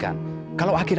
aku juga yakin